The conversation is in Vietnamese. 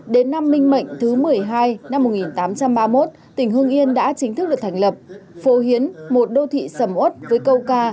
đến năm minh mệnh thứ một mươi hai năm một nghìn tám trăm ba mươi một tỉnh hương yên đã chính thức được thành lập phố hiến một đô thị sầm ốt với câu ca